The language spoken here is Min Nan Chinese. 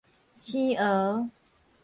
生蚵